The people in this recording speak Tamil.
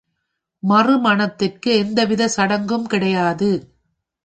மறுமணத்திற்கு எந்த விதச் சடங்கும் கிடையாது.